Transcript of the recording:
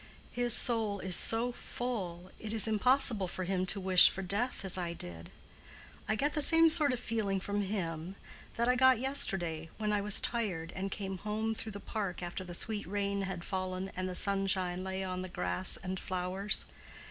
His soul is so full, it is impossible for him to wish for death as I did. I get the same sort of feeling from him that I got yesterday, when I was tired, and came home through the park after the sweet rain had fallen and the sunshine lay on the grass and flowers.